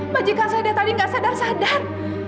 bajikan saya tadi gak sadar sadar